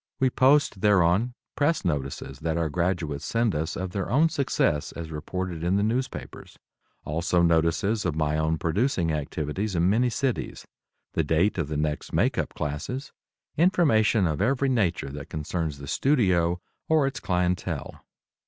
We post thereon press notices that our graduates send us of their own success as reported in the newspapers; also notices of my own producing activities in many cities; the date of the next makeup classes; information of every nature that concerns the studio or its clientele.